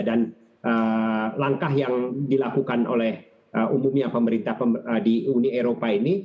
dan langkah yang dilakukan oleh umumnya pemerintah di uni eropa ini